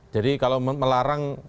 jadi kalau melarang